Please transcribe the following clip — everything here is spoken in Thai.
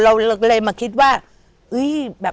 เราเลยมาคิดว่าแบบ